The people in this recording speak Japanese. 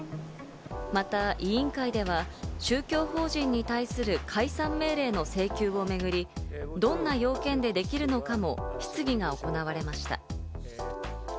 また委員会では宗教法人に対する解散命令の請求をめぐり、どんな要件でできるのかも質疑が行われました。